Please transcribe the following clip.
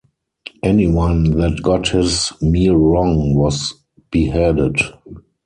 Anyone that got his meal wrong was beheaded.